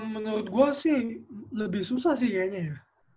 menurut gue sih lebih susah sih kayaknya ya